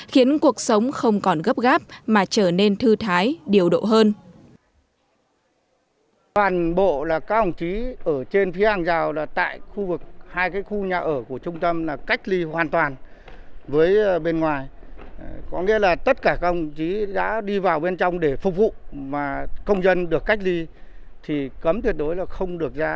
khiến cuộc sống không còn gấp gáp mà trở nên thư thái điều độ hơn